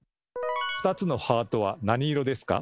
２つのハートは何色ですか？